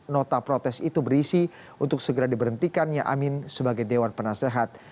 nota protes itu berisi untuk segera diberhentikannya amin sebagai dewan penasehat